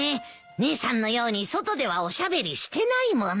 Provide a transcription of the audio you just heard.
姉さんのように外ではおしゃべりしてないもの。